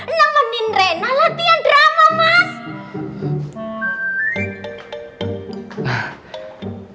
nemenin rena latihan drama mas